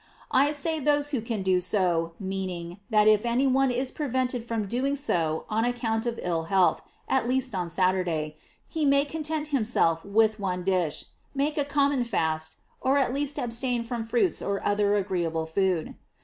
I say those wbo can do so, meaning, that if any one is prevented from doing so on account of ill health, at least on Saturday, he may content himself with one dish, make a common fast, or at least abstain from fruits or other agreeable food.